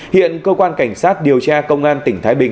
hiện cơ quan cảnh sát điều tra công an tỉnh thái bình